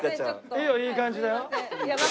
いいよいい感じだよ。